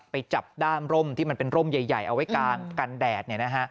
ไปจับด้ามร่มที่มันเป็นร่มใหญ่เอาไว้กลางกันแดด